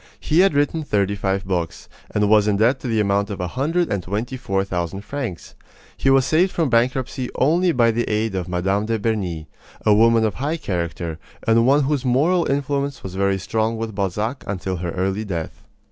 He had written thirty five books, and was in debt to the amount of a hundred and twenty four thousand francs. He was saved from bankruptcy only by the aid of Mme. de Berny, a woman of high character, and one whose moral influence was very strong with Balzac until her early death.